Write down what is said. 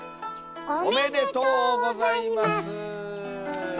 おめでとうございます！